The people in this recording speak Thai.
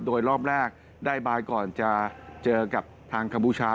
โดยรอบแรกได้บายก่อนจะเจอกับทางคัมพูชา